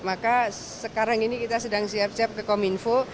maka sekarang ini kita sedang siap siap ke kominfo